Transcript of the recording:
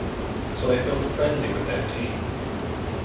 So I felt friendly with that team.